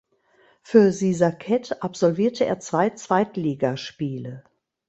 Für Sisaket absolvierte er zwei Zweitligaspiele.